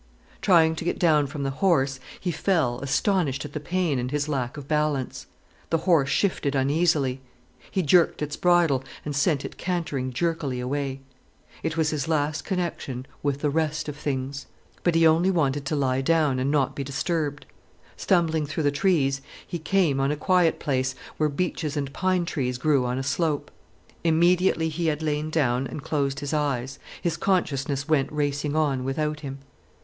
Trying to get down from the horse, he fell, astonished at the pain and his lack of balance. The horse shifted uneasily. He jerked its bridle and sent it cantering jerkily away. It was his last connection with the rest of things. But he only wanted to lie down and not be disturbed. Stumbling through the trees, he came on a quiet place where beeches and pine trees grew on a slope. Immediately he had lain down and closed his eyes, his consciousness went racing on without him.